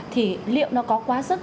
thì liệu nó có quá sức